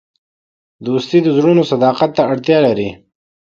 دوستي د زړونو صداقت ته اړتیا لري.